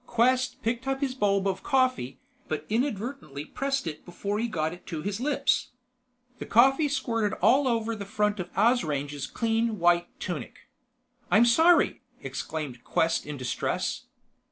Quest picked up his bulb of coffee, but inadvertently pressed it before he got it to his lips. The coffee squirted all over the front of Asrange's clean white tunic. "I'm sorry!" exclaimed Quest in distress.